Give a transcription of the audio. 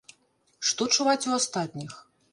Што чуваць у астатніх?